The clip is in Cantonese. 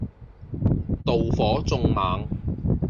妒火縱猛